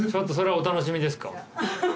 お楽しみです。